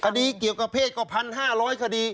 คดีเกี่ยวกับเพศก็๑๕๐๐คดี